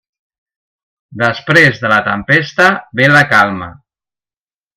Després de la tempesta ve la calma.